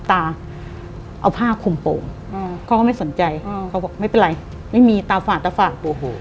เขาก็ไม่สนใจเขาก็ไม่เป็นไรไม่มีตาฝาก